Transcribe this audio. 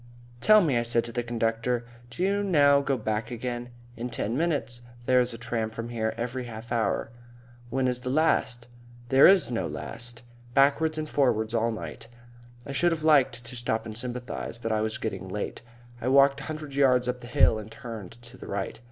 "Tell me," I said to the conductor, "do you now go back again?" "In ten minutes. There's a tram from here every half hour." "When is the last?" "There's no last. Backwards and forwards all night." I should have liked to stop and sympathise, but it was getting late. I walked a hundred yards up the hill and turned to the right....